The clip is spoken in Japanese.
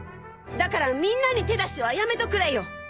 だからみんなに手出しはやめとくれよ